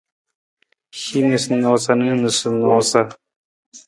Hin noosanoosa na noosanoosa.